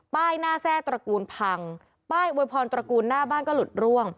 หน้าแทร่ตระกูลพังป้ายอวยพรตระกูลหน้าบ้านก็หลุดร่วง